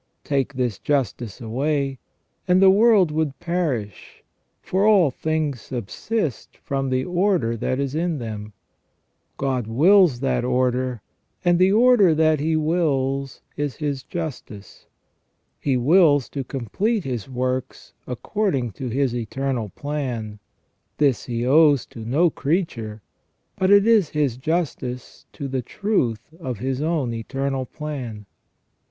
Take this justice away and the world would perish, for all things subsist from the order that is in them; God wills that order, and the order that He wills is His justice ; He wills to complete His works according to His eternal plan : this He owes to no creature, but it is His justice to the truth of His own eternal plan.